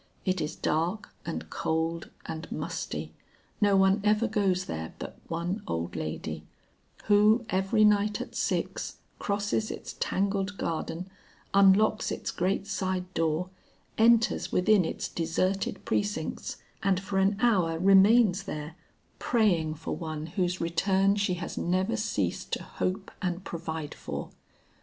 It is dark, and cold, and musty. No one ever goes there but one old lady, who every night at six, crosses its tangled garden, unlocks its great side door, enters within its deserted precincts, and for an hour remains there, praying for one whose return she has never ceased to hope and provide for.